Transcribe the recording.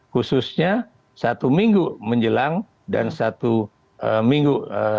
khususnya satu minggu menjelang dan satu minggu